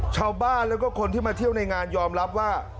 ชาวบ้านแล้วก็คนที่มาเที่ยวในงานยอมรับว่า